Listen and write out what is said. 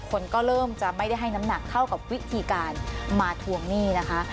คนก็เริ่มจะไม่ได้ให้น้ำหนักเท่ากับวิธีการมาทวงหนี้นะคะ